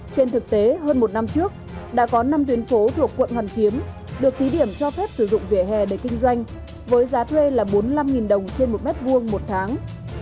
trên thực tế hơn một năm trước đã có năm tuyến phố thuộc quận hoàn kiếm được thí điểm cho phép sử dụng vỉa hè để kinh doanh với giá thuê là bốn mươi năm đồng trên một mét vuông một tháng